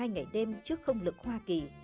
một mươi hai ngày đêm trước không lực hoa kỳ